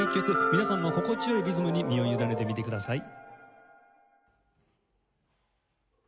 皆さんも心地よいリズムに身を委ねてみてください。